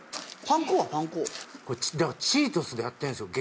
パン粉はパン粉だからチートスでやってんすよ